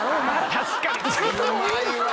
確かに。